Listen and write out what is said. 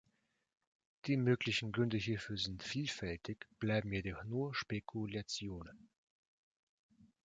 Die möglichen Gründe hierfür sind vielfältig, bleiben jedoch nur Spekulationen.